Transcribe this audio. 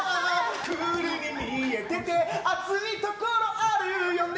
クールに見えてて熱いところあるよね